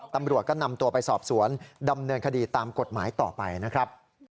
ตำรวจก็นำตัวไปสอบสวนดำเนินคดีตามกฎหมายต่อไปนะครับ